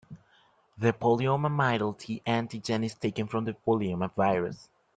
The polyoma middle T-antigen is taken from the polyoma virus.